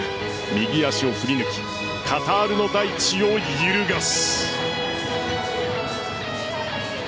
右足を振り抜きカタールの大地を揺るがす。